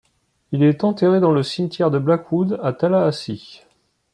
Il est enterré dans le cimetière de Blackwood à Tallahassee.